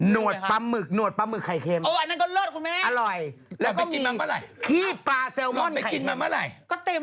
โนดปลาหมึกโนดปลาหมึกไข่เค็ม